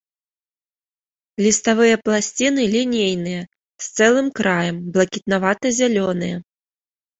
Ліставыя пласціны лінейныя, з цэлым краем, блакітнавата-зялёныя.